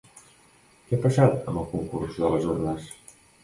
Què ha passat amb el concurs de les urnes?